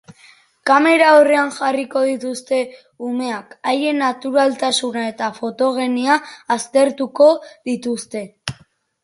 Kamera aurrean jarriko dituzte umeak haien naturaltasuna eta fotogenia aztertuko dituzte.